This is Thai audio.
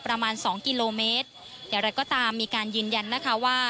ประมาณสองกิโลเมตรอย่างไรก็ตามมีการยืนยันนะคะว่า